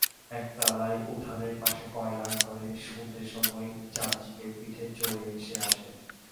একতলায় উঠোনের পাশে কয়লার ঘরে সন্ধের সময় চামচিকের পিঠে চড়ে সে আসে।